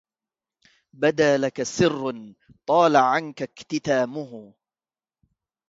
بدا لك سر طال عنك اكتتامه